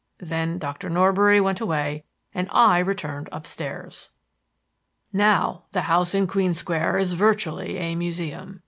Then Doctor Norbury went away and I returned upstairs. "Now the house in Queen Square is virtually a museum.